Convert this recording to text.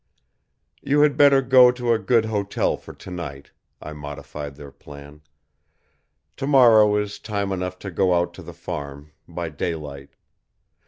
"You had better go to a good hotel for tonight," I modified their plan. "Tomorrow is time enough to go out to the farm, by daylight.